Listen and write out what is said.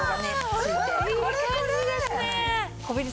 これこれ！